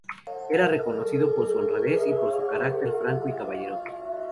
Era reconocido por su honradez, y por su carácter franco y caballeroso.